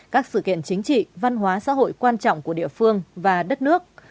các sự kiện chính trị văn hóa xã hội quan trọng của địa phương và đất nước